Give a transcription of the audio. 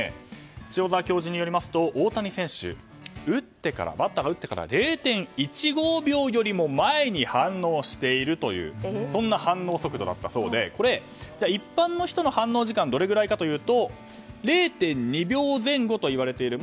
塩澤教授によりますと大谷選手はバッターが打ってから０．１５秒よりも前に反応しているというそんな反応速度だったそうで一般の人の反応時間はどれぐらいかというと０．２秒前後といわれている。